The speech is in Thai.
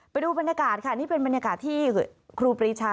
ไปดูบรรยากาศค่ะนี่เป็นบรรยากาศที่ครูปรีชา